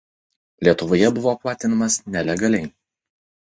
Lietuvoje buvo platinamas nelegaliai.